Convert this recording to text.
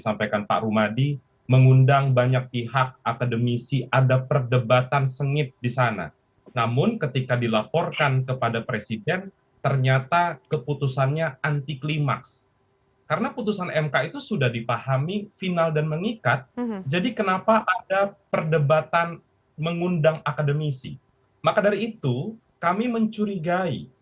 mbak mai kita harus runtut waktunya